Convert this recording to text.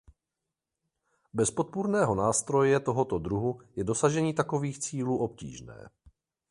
Bez podpůrného nástroje tohoto druhu je dosažení takových cílů obtížné.